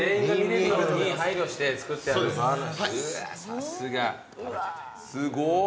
さすが。すごっ！